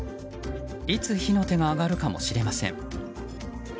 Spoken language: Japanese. いつ火の手が上がるかも知れません。